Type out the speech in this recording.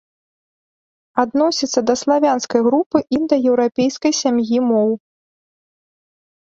Адносіцца да славянскай групы індаеўрапейскай сям'і моў.